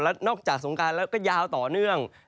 แล้วนอกจากสงการแล้วก็ยาวต่อเนื่อง